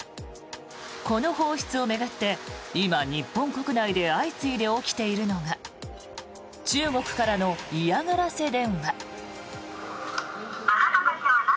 この放出を巡って今、日本国内で相次いで起きているのが中国からの嫌がらせ電話。